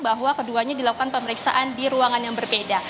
bahwa keduanya dilakukan pemeriksaan di ruangan yang berbeda